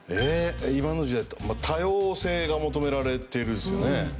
今の時代多様性が求められているんですよね。